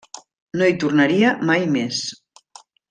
No hi tornaria mai més.